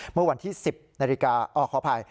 เมื่อวันที่๑๐นาฬิกาขออภัย